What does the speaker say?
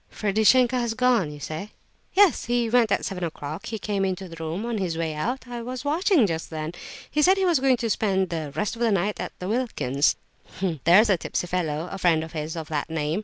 "Ferdishenko has gone, you say?" "Yes, he went at seven o'clock. He came into the room on his way out; I was watching just then. He said he was going to spend 'the rest of the night' at Wilkin's; there's a tipsy fellow, a friend of his, of that name.